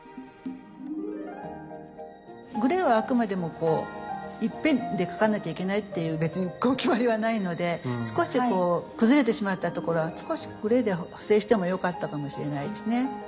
グレーはあくまでもこう一遍で描かなきゃいけないっていう別に決まりはないので少し崩れてしまったところは少しグレーで補整してもよかったかもしれないですね。